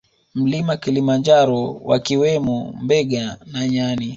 Mlima Kilimanjaro wakiwemo mbega na nyani